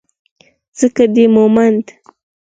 _څنګه دې وموند؟